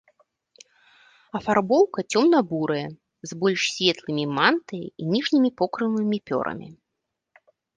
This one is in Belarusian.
Афарбоўка цёмна-бурая, з больш светлымі мантыяй і ніжнімі покрыўнымі пёрамі.